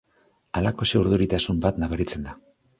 Halakoxe urduritasun bat nabaritzen da.